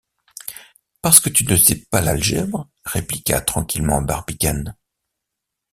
Parce que tu ne sais pas l’algèbre, répliqua tranquillement Barbicane.